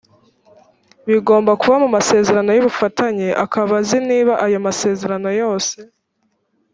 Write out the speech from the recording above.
bigomba kuba mu masezerano y ubufatanye akaba azi niba ayo masezerano yose